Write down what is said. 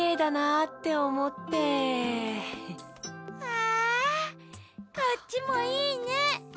わこっちもいいね。